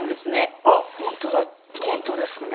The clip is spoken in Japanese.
あっ本当ですね。